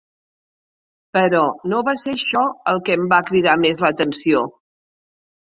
Però no va ser això el que em va cridar més l'atenció.